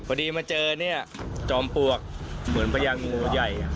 พอดีมาเจอเนี่ยจอมปลวกเหมือนพญางูใหญ่